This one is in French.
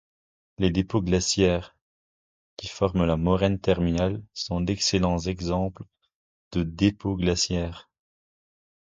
Les dépôts glaciaires qui forment la moraine terminale sont d'excellents exemples de dépôts glaciaires.